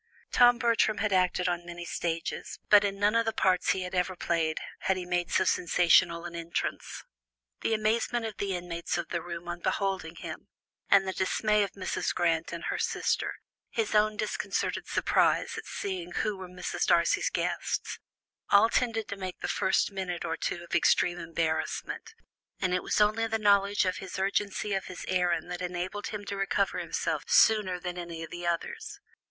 Tom Bertram had acted on many stages, but in none of the parts he had ever played had he made so sensational an entrance. The amazement of the inmates of the room on beholding him, the dismay of Mrs. Grant and her sister, his own disconcerted surprise at seeing who were Mrs. Darcy's guests, all tended to make the first minute one of extreme embarrassment, and it was only the knowledge of his urgency of his errand that enabled him to recover himself sooner than any of the others.